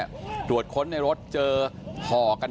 ตำรวจต้องไล่ตามกว่าจะรองรับเหตุได้